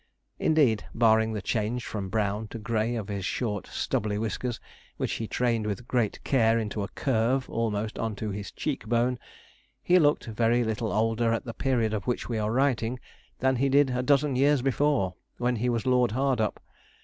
Indeed, barring the change from brown to grey of his short stubbly whiskers, which he trained with great care into a curve almost on to his cheek bone, he looked very little older at the period of which we are writing than he did a dozen years before, when he was Lord Hardup.